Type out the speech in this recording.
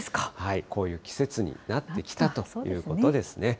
こういう季節になってきたということですね。